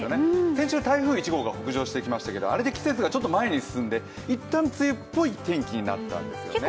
先週、台風１号が北上してきましたけど、あれで季節がちょっと前に進んで一旦梅雨みたいになったんですよね。